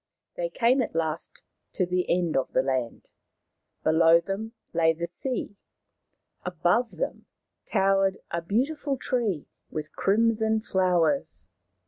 They came at last to the end of the land. Below them lay the sea, above them towered a beautiful tree with crimson flowers.